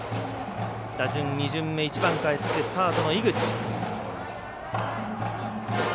打順２巡目、１番サードの井口。